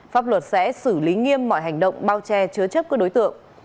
pháp luật sẽ xử lý nghiêm mọi hành động bao che chứa chấp các đối tượng